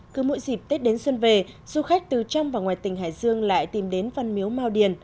cứ mỗi dịp tết đến xuân về du khách từ trong và ngoài tỉnh hải dương lại tìm đến văn miếu mao điền